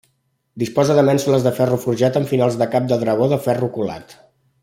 Disposa de mènsules de ferro forjat amb finals de cap de dragó de ferro colat.